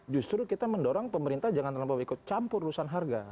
justru kita mendorong pemerintah jangan terlampau ikut campur urusan harga